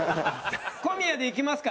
小宮でいきますか？